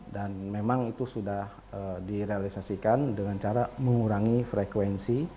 dan memang itu sudah direalisasikan dengan cara mengurangi frekuensi